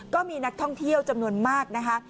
ก็มีนักท่องเที่ยวจำนวนมากนะคะ